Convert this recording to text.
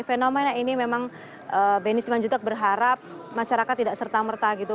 fenomena ini memang beni siman juntak berharap masyarakat tidak serta merta gitu